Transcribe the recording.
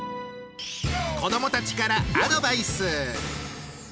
子どもたちからアドバイス。